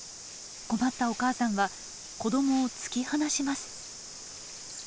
困ったお母さんは子どもを突き放します。